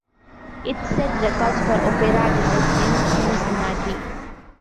It set records for opera attendance in Cincinnati.